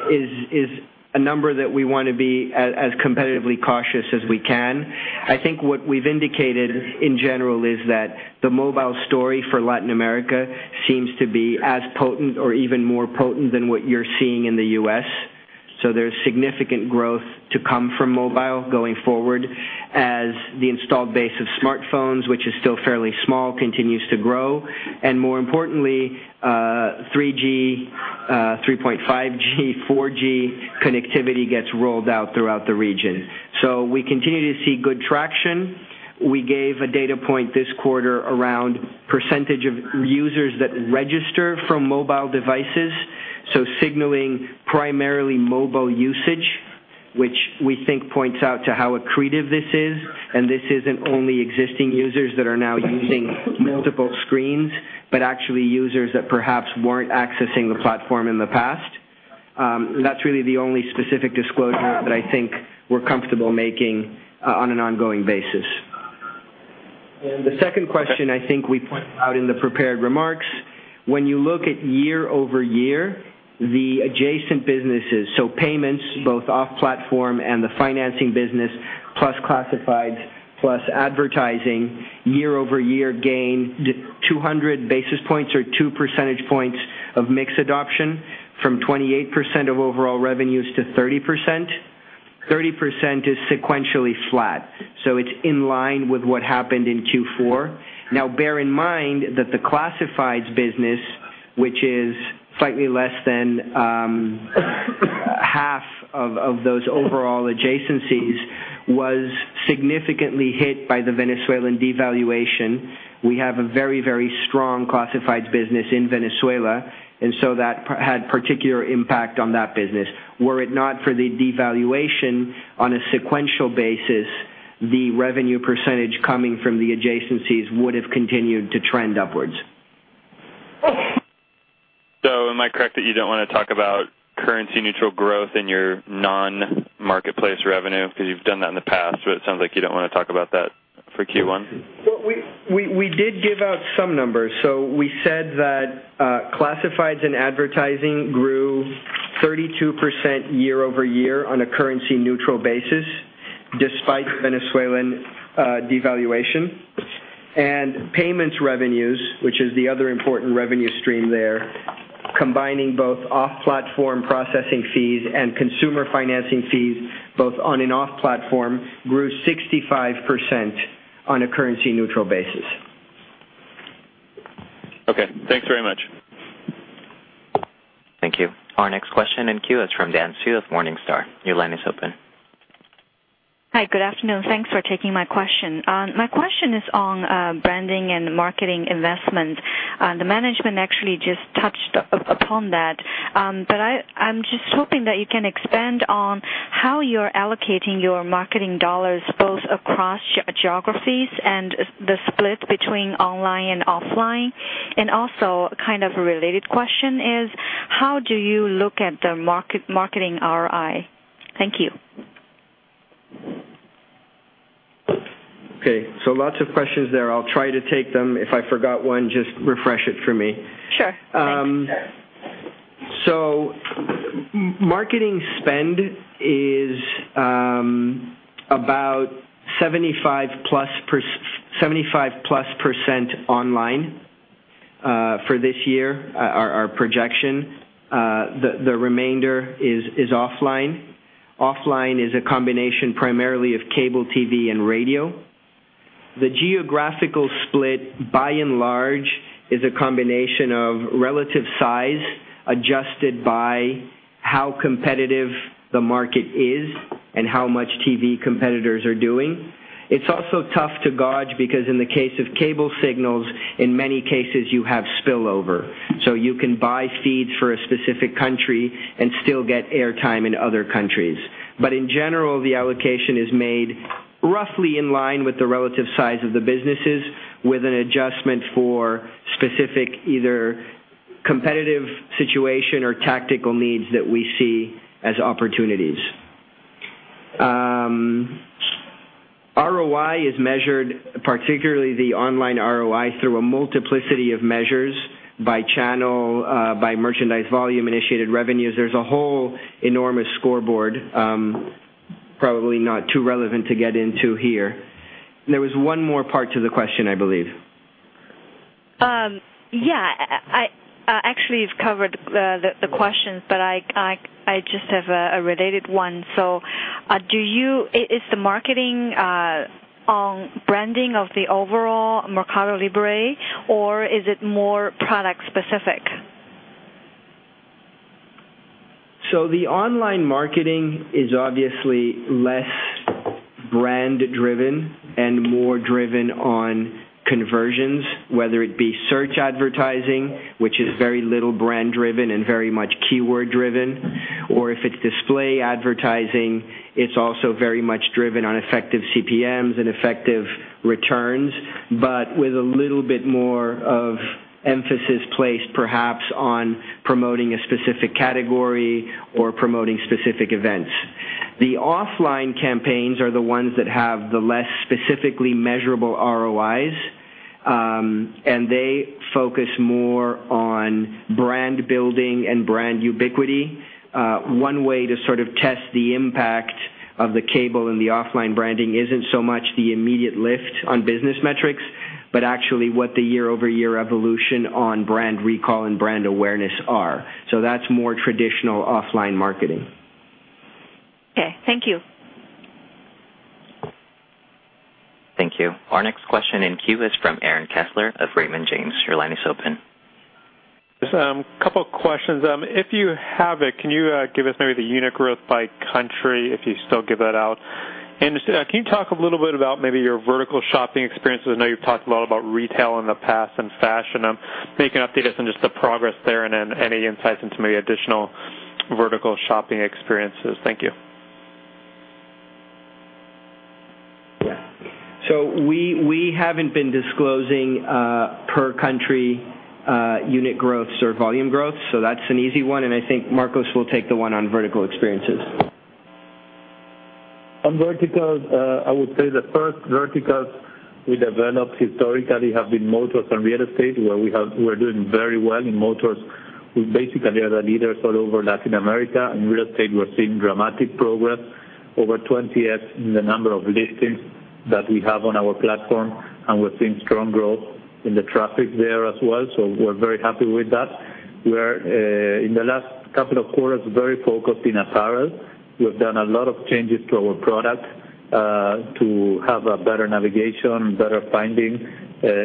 is a number that we want to be as competitively cautious as we can. I think what we've indicated in general is that the mobile story for Latin America seems to be as potent or even more potent than what you're seeing in the U.S. There's significant growth to come from mobile going forward as the installed base of smartphones, which is still fairly small, continues to grow, and more importantly, 3G, 3.5G, 4G connectivity gets rolled out throughout the region. We continue to see good traction. We gave a data point this quarter around % of users that register from mobile devices, signaling primarily mobile usage, which we think points out to how accretive this is. This isn't only existing users that are now using multiple screens, but actually users that perhaps weren't accessing the platform in the past. That's really the only specific disclosure that I think we're comfortable making on an ongoing basis. The second question, I think we point out in the prepared remarks, when you look at year-over-year, the adjacent businesses, payments both off-platform and the financing business, plus classifieds, plus advertising, year-over-year gain 200 basis points or two percentage points of mix adoption from 28% of overall revenues to 30%. 30% is sequentially flat. It's in line with what happened in Q4. Now, bear in mind that the classifieds business, which is slightly less than half of those overall adjacencies, was significantly hit by the Venezuelan devaluation. We have a very, very strong classifieds business in Venezuela. That had particular impact on that business. Were it not for the devaluation on a sequential basis, the revenue % coming from the adjacencies would have continued to trend upwards. Am I correct that you don't want to talk about currency-neutral growth in your non-marketplace revenue? Because you've done that in the past, but it sounds like you don't want to talk about that for Q1. We did give out some numbers. We said that classifieds and advertising grew 32% year-over-year on a currency-neutral basis, despite Venezuelan devaluation. Payments revenues, which is the other important revenue stream there, combining both off-platform processing fees and consumer financing fees, both on and off platform, grew 65% on a currency-neutral basis. Thanks very much. Thank you. Our next question in queue is from Dan Su with Morningstar. Your line is open. Hi. Good afternoon. Thanks for taking my question. My question is on branding and marketing investment. The management actually just touched upon that. I'm just hoping that you can expand on how you're allocating your marketing dollars, both across geographies and the split between online and offline. Also, kind of a related question is, how do you look at the marketing ROI? Thank you. Okay. Lots of questions there. I'll try to take them. If I forgot one, just refresh it for me. Sure. Thank you. Marketing spend is about 75%+ online for this year, our projection. The remainder is offline. Offline is a combination primarily of cable TV and radio. The geographical split, by and large, is a combination of relative size, adjusted by how competitive the market is and how much TV competitors are doing. It's also tough to gauge because in the case of cable signals, in many cases, you have spillover. You can buy feeds for a specific country and still get air time in other countries. In general, the allocation is made roughly in line with the relative size of the businesses, with an adjustment for specific, either competitive situation or tactical needs that we see as opportunities. ROI is measured, particularly the online ROI, through a multiplicity of measures by channel, by merchandise volume, initiated revenues. There's a whole enormous scoreboard, probably not too relevant to get into here. There was one more part to the question, I believe. Yeah. Actually, you've covered the questions, but I just have a related one. Is the marketing on branding of the overall MercadoLibre, or is it more product-specific? The online marketing is obviously less brand-driven and more driven on conversions, whether it be search advertising, which is very little brand-driven and very much keyword-driven. If it's display advertising, it's also very much driven on effective CPMs and effective returns, but with a little bit more of emphasis placed perhaps on promoting a specific category or promoting specific events. The offline campaigns are the ones that have the less specifically measurable ROIs, and they focus more on brand building and brand ubiquity. One way to sort of test the impact of the cable and the offline branding isn't so much the immediate lift on business metrics, but actually what the year-over-year evolution on brand recall and brand awareness are. That's more traditional offline marketing. Okay, thank you. Thank you. Our next question in queue is from Aaron Kessler of Raymond James. Your line is open. Just a couple of questions. If you have it, can you give us maybe the unit growth by country, if you still give that out? Can you talk a little bit about maybe your vertical shopping experiences? I know you've talked a lot about retail in the past, and fashion. Maybe you can update us on just the progress there and then any insights into maybe additional vertical shopping experiences. Thank you. Yeah. We haven't been disclosing per country unit growths or volume growths, so that's an easy one. I think Marcos will take the one on vertical experiences. On verticals, I would say the first verticals we developed historically have been motors and real estate, where we're doing very well in motors. We basically are the leaders all over Latin America. In real estate, we're seeing dramatic progress, over 20x in the number of listings that we have on our platform. We're seeing strong growth in the traffic there as well. We're very happy with that. We're, in the last couple of quarters, very focused in apparel. We've done a lot of changes to our product, to have a better navigation, better findings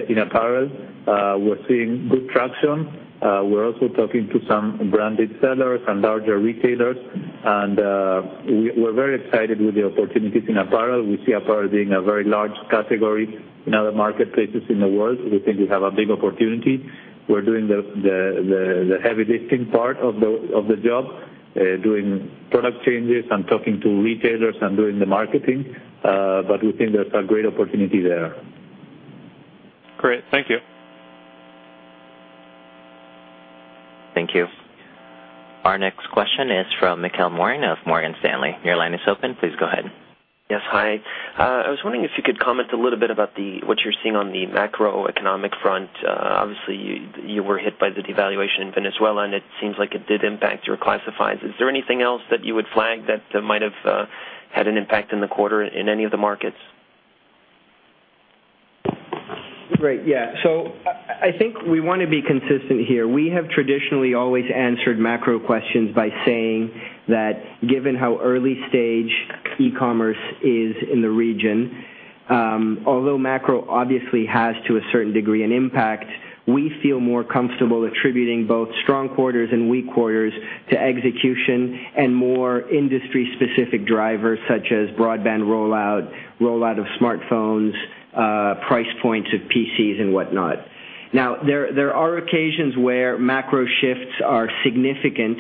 in apparel. We're seeing good traction. We're also talking to some branded sellers and larger retailers, we're very excited with the opportunities in apparel. We see apparel being a very large category in other marketplaces in the world. We think we have a big opportunity. We're doing the heavy lifting part of the job, doing product changes, and talking to retailers, and doing the marketing. We think there's a great opportunity there. Great. Thank you. Thank you. Our next question is from Michel Morin of Morgan Stanley. Your line is open. Please go ahead. Yes. Hi. I was wondering if you could comment a little bit about what you're seeing on the macroeconomic front. Obviously, you were hit by the devaluation in Venezuela. It seems like it did impact your classifieds. Is there anything else that you would flag that might have had an impact in the quarter in any of the markets? Great. Yeah. I think we want to be consistent here. We have traditionally always answered macro questions by saying that given how early stage e-commerce is in the region, although macro obviously has, to a certain degree, an impact, we feel more comfortable attributing both strong quarters and weak quarters to execution and more industry-specific drivers, such as broadband rollout of smartphones, price points of PCs and whatnot. There are occasions where macro shifts are significant.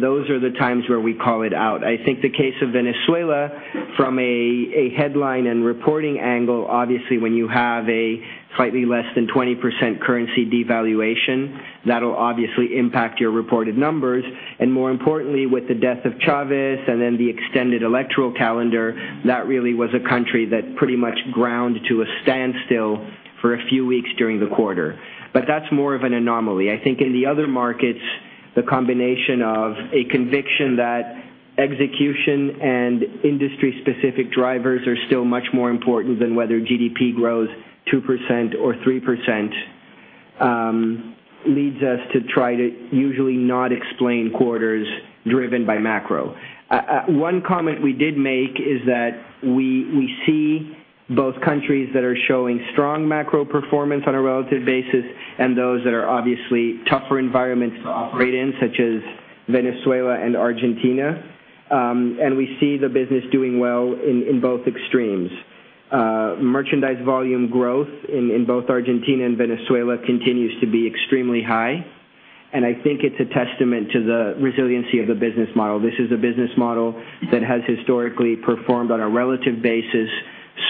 Those are the times where we call it out. I think the case of Venezuela, from a headline and reporting angle, obviously, when you have a slightly less than 20% currency devaluation, that'll obviously impact your reported numbers. More importantly, with the death of Chávez and then the extended electoral calendar, that really was a country that pretty much ground to a standstill for a few weeks during the quarter. That's more of an anomaly. I think in the other markets, the combination of a conviction that execution and industry-specific drivers are still much more important than whether GDP grows 2% or 3%, leads us to try to usually not explain quarters driven by macro. One comment we did make is that we see both countries that are showing strong macro performance on a relative basis and those that are obviously tougher environments to operate in, such as Venezuela and Argentina. We see the business doing well in both extremes. Merchandise volume growth in both Argentina and Venezuela continues to be extremely high. I think it's a testament to the resiliency of the business model. This is a business model that has historically performed on a relative basis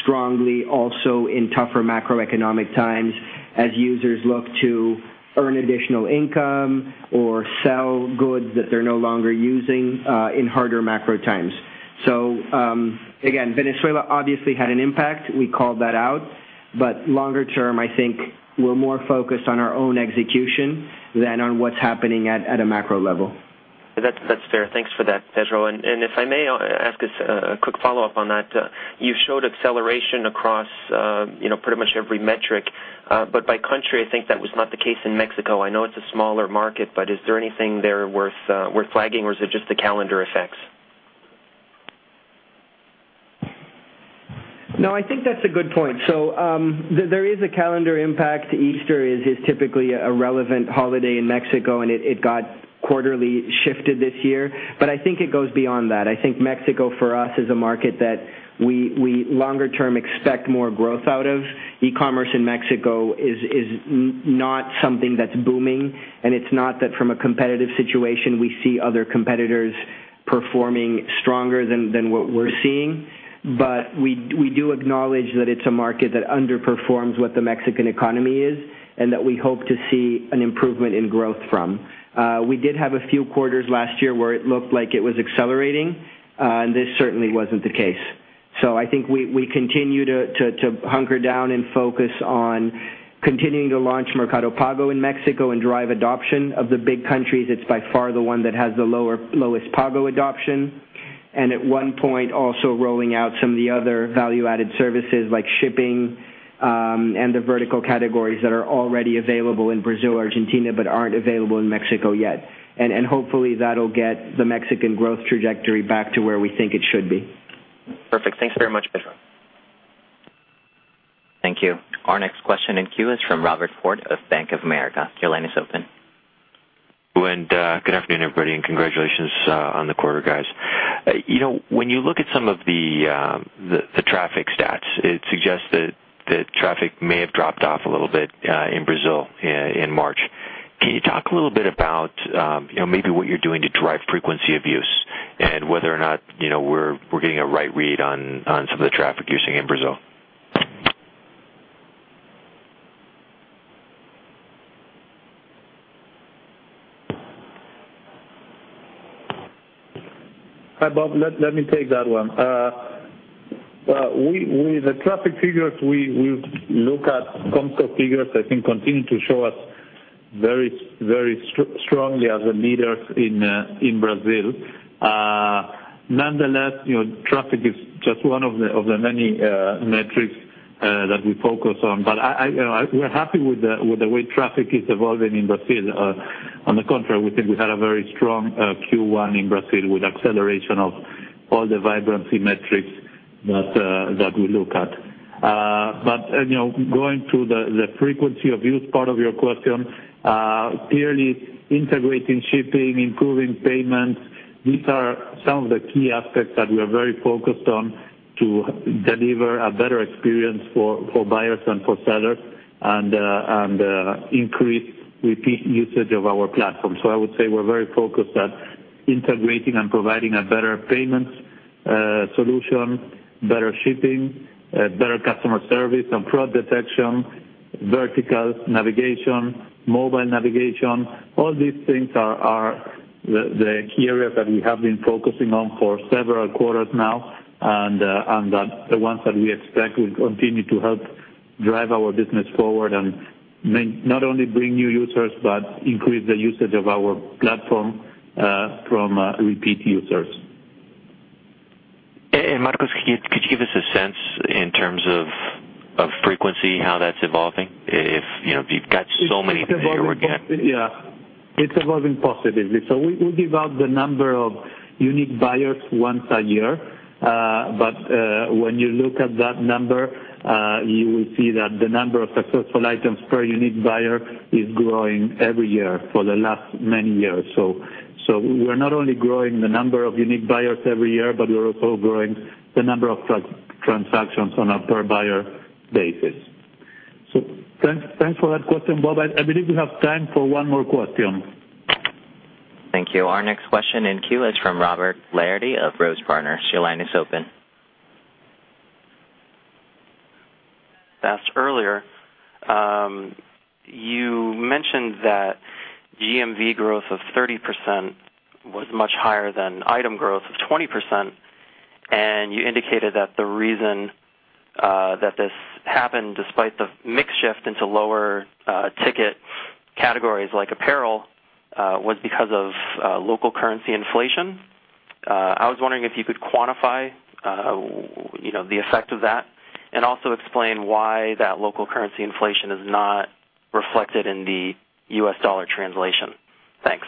strongly also in tougher macroeconomic times as users look to earn additional income or sell goods that they're no longer using in harder macro times. Again, Venezuela obviously had an impact. We called that out. Longer term, I think we're more focused on our own execution than on what's happening at a macro level. That's fair. Thanks for that, Pedro. If I may ask a quick follow-up on that. You showed acceleration across pretty much every metric. By country, I think that was not the case in Mexico. I know it's a smaller market, but is there anything there worth flagging, or is it just the calendar effects? I think that's a good point. There is a calendar impact. Easter is typically a relevant holiday in Mexico. It got quarterly shifted this year. I think it goes beyond that. I think Mexico, for us, is a market that we longer term expect more growth out of. E-commerce in Mexico is not something that's booming. It's not that from a competitive situation, we see other competitors performing stronger than what we're seeing. We do acknowledge that it's a market that underperforms what the Mexican economy is and that we hope to see an improvement in growth from. We did have a few quarters last year where it looked like it was accelerating. This certainly wasn't the case. I think we continue to hunker down and focus on continuing to launch Mercado Pago in Mexico and drive adoption of the big countries. It's by far the one that has the lowest Pago adoption. At one point, also rolling out some of the other value-added services like shipping, and the vertical categories that are already available in Brazil, Argentina, but aren't available in Mexico yet. Hopefully, that'll get the Mexican growth trajectory back to where we think it should be. Perfect. Thanks very much, Pedro. Thank you. Our next question in queue is from Robert Ford of Bank of America. Your line is open. Good afternoon, everybody, and congratulations on the quarter, guys. When you look at some of the traffic stats, it suggests that traffic may have dropped off a little bit in Brazil in March. Can you talk a little bit about maybe what you're doing to drive frequency of use and whether or not we're getting a right read on some of the traffic you're seeing in Brazil? Hi, Bob. Let me take that one. With the traffic figures, we look at Comscore figures, I think continue to show us very strongly as the leaders in Brazil. Nonetheless, traffic is just one of the many metrics that we focus on. We're happy with the way traffic is evolving in Brazil. On the contrary, we think we had a very strong Q1 in Brazil with acceleration of all the vibrancy metrics that we look at. Going through the frequency of use part of your question, clearly integrating shipping, improving payments, these are some of the key aspects that we are very focused on to deliver a better experience for buyers and for sellers and increase repeat usage of our platform. I would say we're very focused at integrating and providing a better payments solution, better shipping, better customer service and fraud detection, verticals, navigation, mobile navigation. All these things are the key areas that we have been focusing on for several quarters now, the ones that we expect will continue to help drive our business forward and not only bring new users but increase the usage of our platform from repeat users. Marcos, could you give us a sense in terms of frequency, how that's evolving? If you've got so many that you're working at. Yeah. It's evolving positively. We give out the number of unique buyers once a year. When you look at that number, you will see that the number of successful items per unique buyer is growing every year for the last many years. We're not only growing the number of unique buyers every year, but we're also growing the number of transactions on a per-buyer basis. Thanks for that question, Bob. I believe we have time for one more question. Thank you. Our next question in queue is from Robert Larity of Rose Partners. Your line is open. Asked earlier, you mentioned that GMV growth of 30% was much higher than item growth of 20%. You indicated that the reason that this happened, despite the mix shift into lower ticket categories like apparel, was because of local currency inflation. I was wondering if you could quantify the effect of that also explain why that local currency inflation is not reflected in the US dollar translation. Thanks.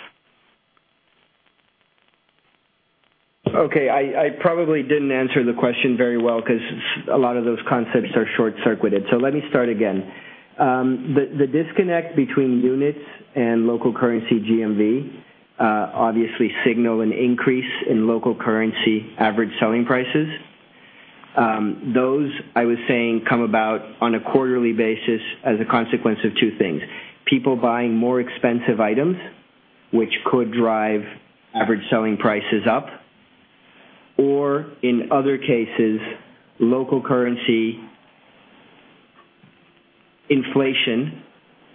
Okay. I probably didn't answer the question very well because a lot of those concepts are short-circuited. Let me start again. The disconnect between units and local currency GMV obviously signal an increase in local currency average selling prices. Those, I was saying, come about on a quarterly basis as a consequence of two things. People buying more expensive items, which could drive average selling prices up, or in other cases, local currency inflation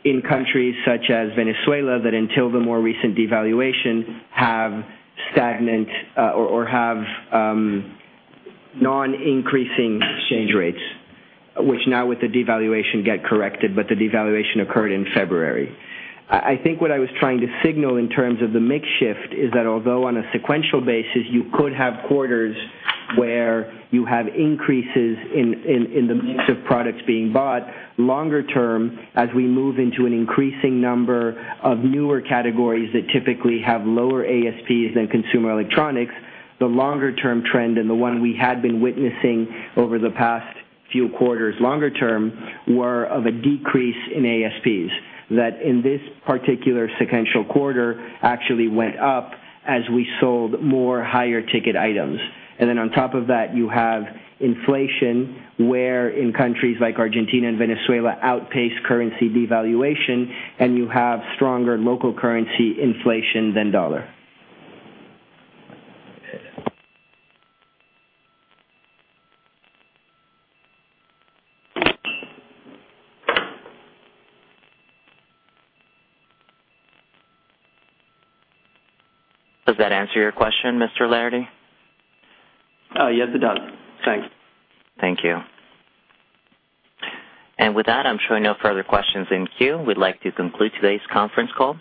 in countries such as Venezuela, that until the more recent devaluation, have stagnant or have non-increasing exchange rates, which now with the devaluation get corrected, the devaluation occurred in February. I think what I was trying to signal in terms of the mix shift is that although on a sequential basis, you could have quarters where you have increases in the mix of products being bought, longer term, as we move into an increasing number of newer categories that typically have lower ASPs than consumer electronics, the longer-term trend and the one we had been witnessing over the past few quarters longer term, were of a decrease in ASPs, that in this particular sequential quarter actually went up as we sold more higher-ticket items. Then on top of that, you have inflation, where in countries like Argentina and Venezuela outpace currency devaluation and you have stronger local currency inflation than dollar. Does that answer your question, Mr. Larity? Yes, it does. Thanks. Thank you. With that, I'm showing no further questions in queue. We'd like to conclude today's conference call.